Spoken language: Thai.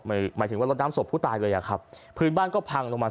หมายหมายถึงว่าลดน้ำศพผู้ตายเลยอ่ะครับพื้นบ้านก็พังลงมา